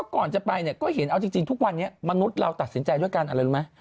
ก่อนจะไปก็เห็นว่าทุกวันเนี่ยมนุษย์เราตัดสินใจด้วยการอะไรรู้มั้ย